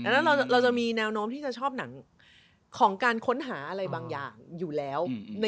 ดังนั้นเราจะมีแนวโน้มที่จะชอบหนังของการค้นหาอะไรบางอย่างอยู่แล้ว